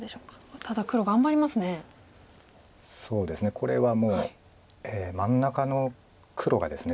これはもう真ん中の黒がですね